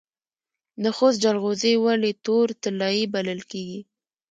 د خوست جلغوزي ولې تور طلایی بلل کیږي؟